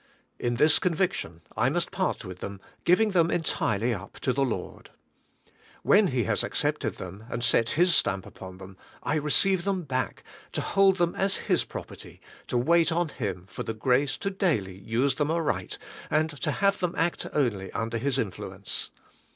In this conviction I must part with them, giving them entirely up to the Lord. When He has accepted them, and set His stamp upon them, I receive them back, to hold them as His property, to wait on Him for the grace to daily use them aright, and to have them act only under His in fluence.